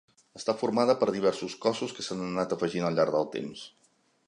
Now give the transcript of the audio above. Està formada per diversos cossos que s'han anat afegint al llarg del temps.